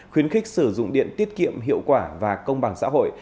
khuyến khích sử dụng điện tiết kiệm hiệu quả và công bằng xã hội